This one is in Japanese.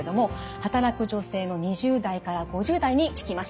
働く女性の２０代から５０代に聞きました。